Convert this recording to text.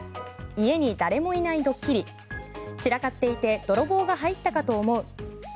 家に誰ももいないドッキリ散らかっていて泥棒が入ったかと思う。